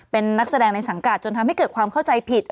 เป็นนักแสดงในสังกัดจนทำให้เกิดความเข้าใจผิด